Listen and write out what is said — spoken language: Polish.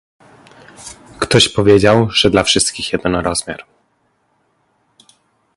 Ktoś powiedział, że dla wszystkich jeden rozmiar